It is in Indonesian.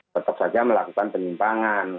tetap saja melakukan penyimpangan